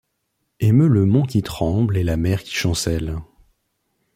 Émeut le mont qui tremble et la mer qui chancelle